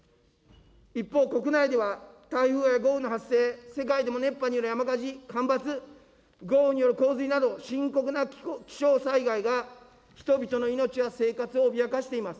一方、国内では台風や豪雨の発生、世界でも熱波による山火事、干ばつ、豪雨による洪水など、深刻な気象災害が人々の命や生活を脅かしています。